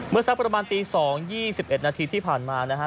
สักประมาณตี๒๒๑นาทีที่ผ่านมานะฮะ